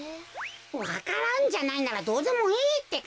わか蘭じゃないならどうでもいいってか。